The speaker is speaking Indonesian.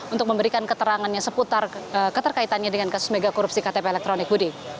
untuk memberikan keterangannya seputar keterkaitannya dengan kasus megakorupsi ktp elektronik budi